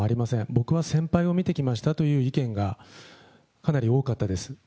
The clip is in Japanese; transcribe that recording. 僕は先輩を見てきましたという意見がかなり多かったです。